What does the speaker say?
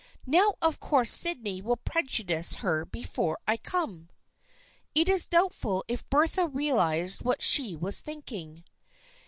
Now of course Sydney will prejudice her before I come." It is doubtful if Bertha realized what she was thinking.